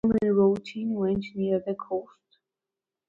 Its former route went near the coast.